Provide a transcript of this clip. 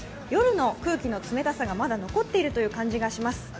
夜の空気の冷たさが、まだ残っているという感じがします。